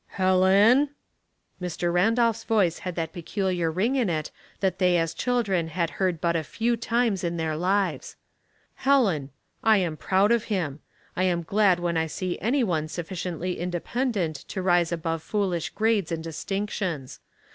" Helen !" Mr. Randolph's voice had that pe culiar ring in it that they as children had heard i)ut a few times in their lives. " Helen ! I am proud of him. I am glad when I see any one iiufficiently independent to rise above foolish grades and distinctions.